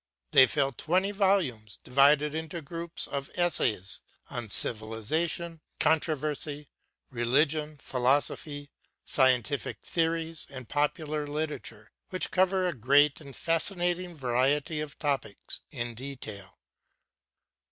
They fill twenty volumes, divided into groups of essays on Civilization, Controversy, Religion, Philosophy, Scientific Theories, and Popular Literature, which cover a great and fascinating variety of topics in detail.